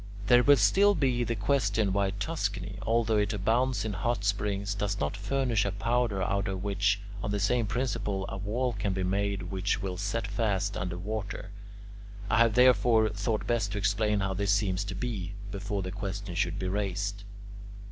There will still be the question why Tuscany, although it abounds in hot springs, does not furnish a powder out of which, on the same principle, a wall can be made which will set fast under water. I have therefore thought best to explain how this seems to be, before the question should be raised.